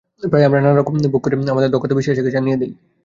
প্রায়ই আমরা নানা রকম ভাগ করে আমাদের দক্ষতা বিশ্ববাসীকে জানিয়ে দিই।